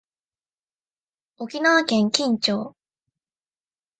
沖縄県金武町